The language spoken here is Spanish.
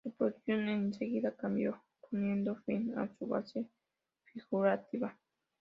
Su producción en seguida cambió, poniendo fin a su fase figurativa.